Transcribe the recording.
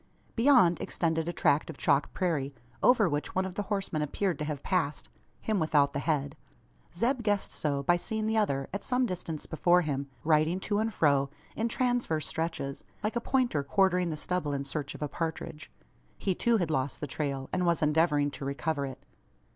Beyond, extended a tract of chalk prairie; over which one of the horsemen appeared to have passed him without the head. Zeb guessed so, by seeing the other, at some distance before him, riding to and fro, in transverse stretches, like a pointer quartering the stubble in search of a partridge. He too had lost the trail, and was endeavouring to recover it.